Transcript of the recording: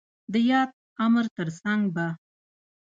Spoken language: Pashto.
د ياد امر تر څنګ ب